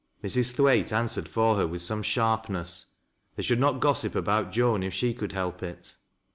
Mrs. Thwaite answered for her with some sharpness. They should not gossip about Joan, if she could help it.